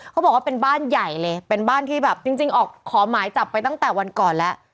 เขาบอกว่าเป็นบ้านใหญ่เลยเป็นบ้านที่แบบจริงออกขอหมายจับไปตั้งแต่วันก่อนแล้ว